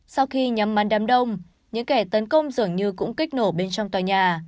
sau khi nhắm màn đám đông những kẻ tấn công dường như cũng kích nổ bên trong tòa nhà